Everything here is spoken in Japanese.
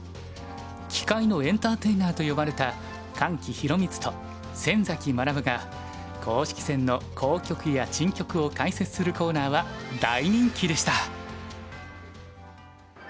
棋界のエンターテイナーと呼ばれた神吉宏充と先崎学が公式戦の好局や珍局を解説するコーナーは大人気でした。